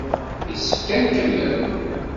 Yessefk ad nkemmel.